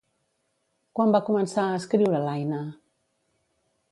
Quan va començar a escriure l'Aina?